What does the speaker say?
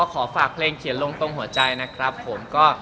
ขอฝากเพลงเขียนลงตรงหัวใจนะครับผมก็